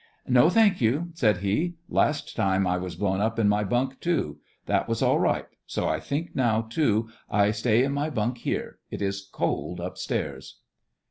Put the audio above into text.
"No, thank you," said he. "Last time I was blown up in my bunk, too. That was all right. So I think, now, too, I stay in my bunk here. It is cold upstairs."